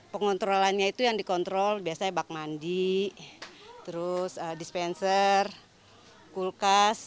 pengontrolannya itu yang dikontrol biasanya bak mandi terus dispenser kulkas